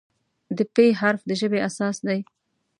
د "پ" حرف د ژبې اساس دی.